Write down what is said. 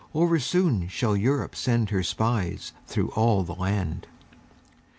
oversoon Shall Europe send her spies through all the land!